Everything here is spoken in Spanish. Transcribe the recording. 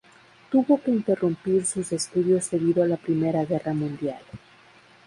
Tuvo que interrumpir sus estudios debido a la Primera Guerra Mundial.